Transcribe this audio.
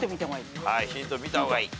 ヒント見た方がいい。